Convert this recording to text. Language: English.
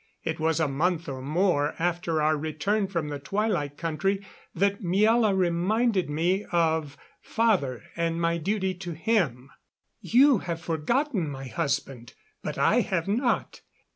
It was a month or more after our return from the Twilight Country that Miela reminded me of father and my duty to him. "You have forgotten, my husband. But I have not.